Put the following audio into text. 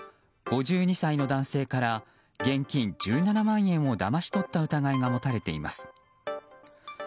５２歳の男性から現金１７万円をだまし取った疑いが持たれています。